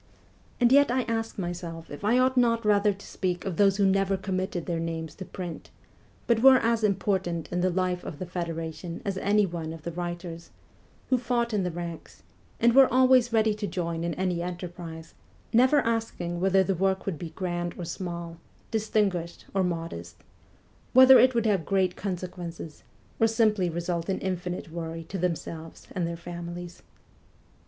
And yet I ask myself if I ought not rather to speak of those who never committed their names to print, but were as important in the life of the federation as any one of the writers ; who fought in the ranks, and were always ready to join in any enterprise, never asking whether the work would be grand or small, distinguished or modest whether it would have great consequences, or simply result in infinite worry to themselves and their families.